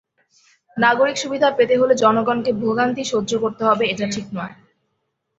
নাগরিক-সুবিধা পেতে হলে জনগণকে ভোগান্তি সহ্য করতে হবে এটা ঠিক নয়।